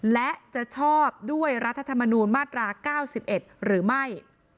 และจะชอบด้วยรัฐธรรมนูญมาตรา๙๑หรือไม่